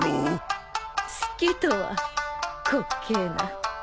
好きとは滑稽な。